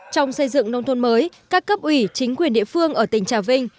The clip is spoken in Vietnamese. trong xây dựng nông thôn mới các cấp ủy chính quyền địa phương ở tỉnh trà vinh